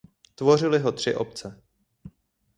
Tvořily ho tři obce.